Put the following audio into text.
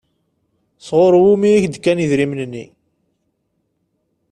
Sɣur wumi i k-d-kan idrimen-nni?